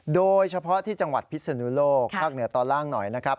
โดยเฉพาะที่จังหวัดพิศนุโลกภาคเหนือตอนล่างหน่อยนะครับ